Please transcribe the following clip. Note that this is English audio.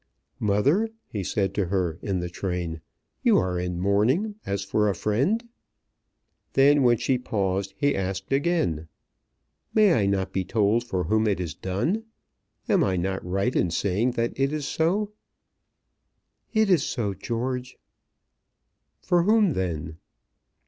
"Mother," he said to her in the train, "you are in mourning, as for a friend?" Then when she paused he asked again, "May I not be told for whom it is done? Am I not right in saying that it is so?" "It is so, George." "For whom then?"